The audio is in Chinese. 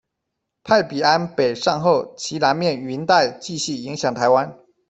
派比安北上后，其南面云带继续影响台湾。